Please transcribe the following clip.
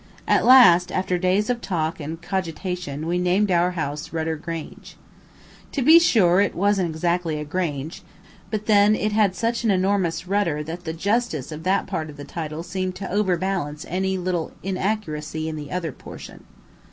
At last, after days of talk and cogitation, we named our house "Rudder Grange." To be sure, it wasn't exactly a grange, but then it had such an enormous rudder that the justice of that part of the title seemed to over balance any little inaccuracy in the other portion.